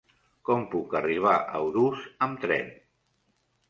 Com puc arribar a Urús amb tren?